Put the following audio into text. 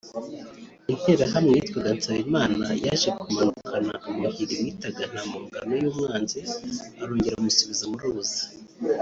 Interahamwe’ yitwa Nsabimana yaje kumanukana ubuhiri bitaga ntampongano y’umwanzi arongera amusubiza mu ruzi